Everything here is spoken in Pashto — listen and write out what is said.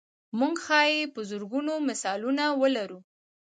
موږ ښایي په زرګونو مثالونه ولرو.